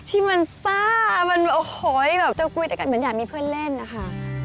ที่มันซ่ามันโอ้โหแบบจะคุยแต่กันเหมือนอยากมีเพื่อนเล่นนะคะ